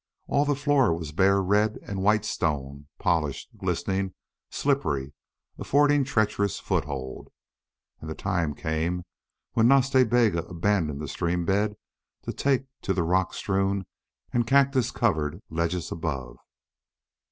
All the floor was bare red and white stone, polished, glistening, slippery, affording treacherous foothold. And the time came when Nas Ta Bega abandoned the stream bed to take to the rock strewn and cactus covered ledges above.